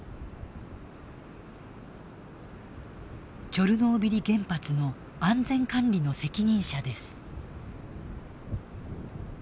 チョルノービリ原発の安全管理の責任者です。